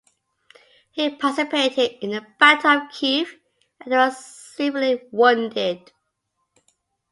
He participated in the Battle of Kiev and was severely wounded.